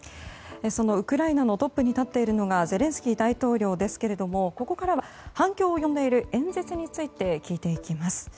そのウクライナのトップに立っているのがゼレンスキー大統領ですけれどもここからは反響を呼んでいる演説について聞いていきます。